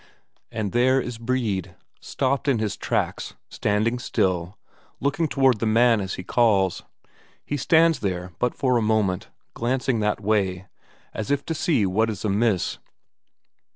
And there is Brede. Stopped in his tracks, standing still, looking toward the man as he calls; he stands there but for a moment, glancing that way, as if to see what is amiss.